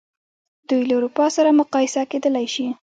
دوی له اروپا سره مقایسه کېدلای شي.